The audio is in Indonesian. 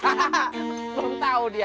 saya keselasa iya